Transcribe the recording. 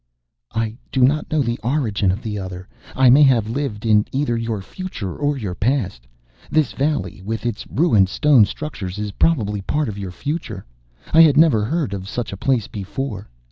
"I do not know the origin of the Other. I may have lived in either your future or your past. This valley, with its ruined stone structures, is probably part of your future. I had never heard of such a place before.